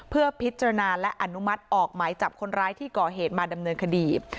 เพื่อพิจารณาและอนุมัติออกหมายจับคนร้ายที่ก่อเหตุมาดำเนินคดี